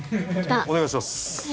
お願いします。